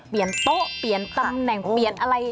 โต๊ะเปลี่ยนตำแหน่งเปลี่ยนอะไร